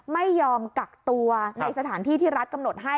ไม่ยอมกักตัวในสถานที่ที่รัฐกำหนดให้